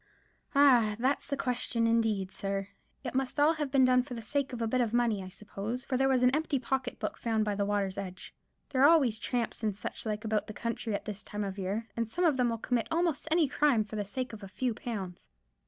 "Ah! that's the question, indeed, sir. It must all have been done for the sake of a bit of money, I suppose; for there was an empty pocket book found by the water's edge. There are always tramps and such like about the country at this time of year; and some of them will commit almost any crime for the sake of a few pounds.